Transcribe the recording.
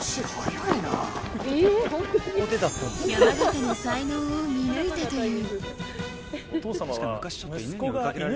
山縣の才能を見抜いたという。